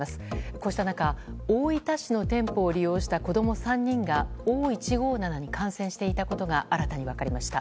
こうした中大分市の店舗を利用した子供３人がＯ１５７に感染していたことが新たに分かりました。